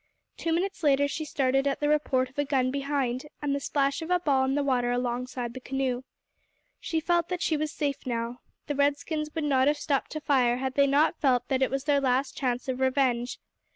Two minutes later she started at the report of a gun behind, and the splash of a ball in the water alongside the canoe. She felt that she was safe now. The red skins would not have stopped to fire had they not felt that it was their last chance of revenge.